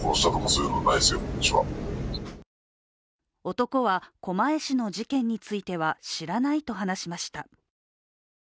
男は狛江市の事件については知らないと話しました。